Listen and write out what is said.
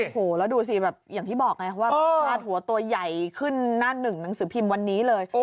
โอ้โหแล้วดูสิแบบอย่างที่บอกไงว่าพาดหัวตัวใหญ่ขึ้นหน้าหนึ่งหนังสือพิมพ์วันนี้เลย